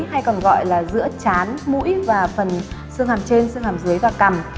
hay còn gọi là giữa chán mũi và phần xương hàm trên xương hàm dưới và cằm